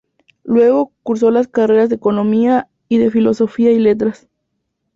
Luego cursó las carreras de Economía, y de Filosofía y Letras.